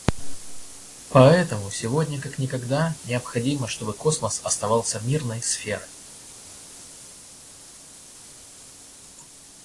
Поэтому сегодня как никогда необходимо, чтобы космос оставался мирной сферой.